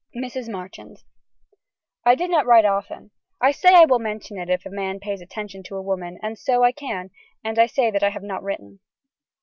(Mrs. Marchand.) I do not write often. I say I will mention it if a man pays attention to a woman and so I can and I can say that I have not written.